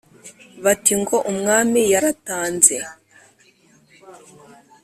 bati: «ngo umwami yaratanze!»